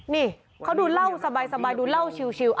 นี่เขาดูเล่าสบายดูเล่าชิว